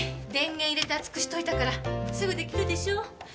電源入れて熱くしといたからすぐ出来るでしょ？